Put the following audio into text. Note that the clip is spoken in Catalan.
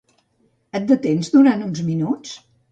Et detens durant uns minuts?